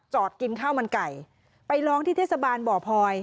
กินข้าวมันไก่ไปร้องที่เทศบาลบ่อพลอย